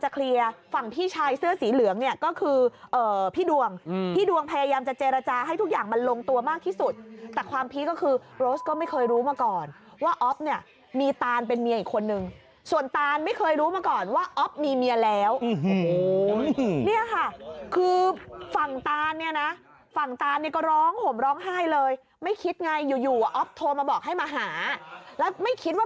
เคลียร์ฝั่งพี่ชายเสื้อสีเหลืองเนี่ยก็คือพี่ดวงพี่ดวงพยายามจะเจรจาให้ทุกอย่างมันลงตัวมากที่สุดแต่ความพีคก็คือโรสก็ไม่เคยรู้มาก่อนว่าอ๊อฟเนี่ยมีตานเป็นเมียอีกคนนึงส่วนตานไม่เคยรู้มาก่อนว่าอ๊อฟมีเมียแล้วเนี่ยค่ะคือฝั่งตานเนี่ยนะฝั่งตานเนี่ยก็ร้องห่มร้องไห้เลยไม่คิดไงอยู่อยู่อ๊อฟโทรมาบอกให้มาหาแล้วไม่คิดว่า